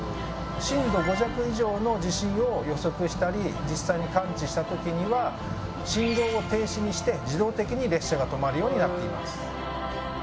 震度５弱以上の地震を予測したり実際に感知した時には信号を停止にして自動的に列車が止まるようになっています。